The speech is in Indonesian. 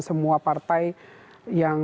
semua partai yang